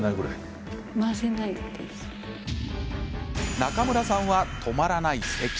中村さんは、止まらないせき。